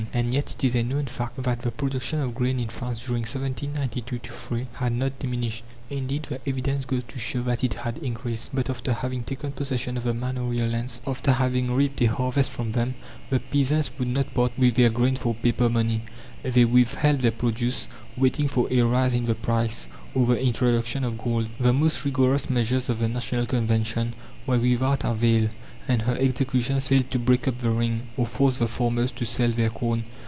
And yet it is a known fact that the production of grain in France during 1792 3 had not diminished; indeed, the evidence goes to show that it had increased. But after having taken possession of the manorial lands, after having reaped a harvest from them, the peasants would not part with their grain for paper money. They withheld their produce, waiting for a rise in the price, or the introduction of gold. The most rigorous measures of the National Convention were without avail, and her executions failed to break up the ring, or force the farmers to sell their corn.